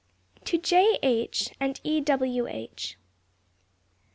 TO J. H. AND E. W. H.